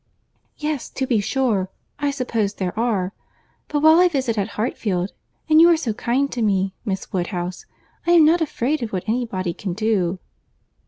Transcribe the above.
"Yes, to be sure, I suppose there are. But while I visit at Hartfield, and you are so kind to me, Miss Woodhouse, I am not afraid of what any body can do."